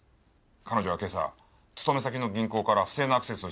彼女は今朝勤め先の銀行から不正なアクセスをしています。